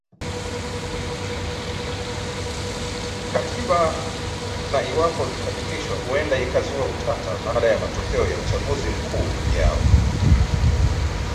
katiba na iwapo itapitishwa huenda ikazua utata baada ya matokea ya uchaguzi mkuu ujao